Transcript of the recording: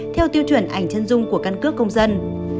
theo tiêu chuẩn ảnh chân dung của căn cước công dân